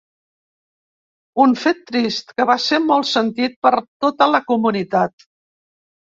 Un fet trist, que va ser molt sentit per tota la comunitat.